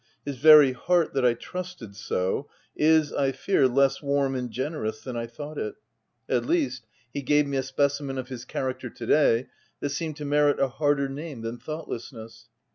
His very heart, that I trusted so, is, I fear, less warm and generous than I thought it. At least, he gave OF WILDFELL HALL. 31 me a specimen of his character to day, that seemed to merit a harder name than thought lessness.